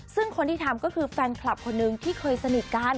ซึ่งคนที่ทำก็คือแฟนคลับคนนึงที่เคยสนิทกัน